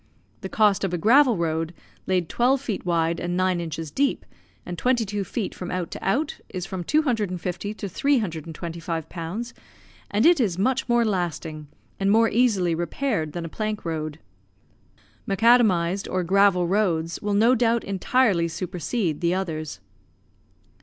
The cost of a gravel road, laid twelve feet wide and nine inches deep, and twenty two feet from out to out, is from 250 to 325 pounds, and it is much more lasting, and more easily repaired than a plank road. Macadamised or gravel roads will no doubt entirely supersede the others.